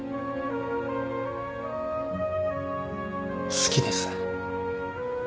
好きです。